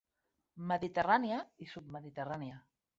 Mediterrània i submediterrània.